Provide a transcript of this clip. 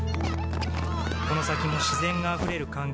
この先も自然があふれる環境を